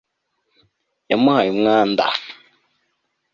yamuhaye umwanda